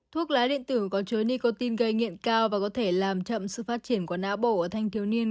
thuốc lá điện tử có chứa nicotin gây nghiện cao và có thể làm chậm sự phát triển của não bộ ở thanh thiếu niên